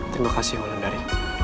terima kasih wulandari